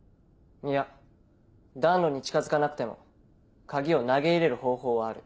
いや暖炉に近づかなくても鍵を投げ入れる方法はある。